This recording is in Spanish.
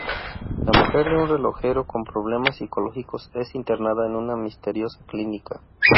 La mujer de un relojero, con problemas psicológicos, es internada en una misteriosa clínica.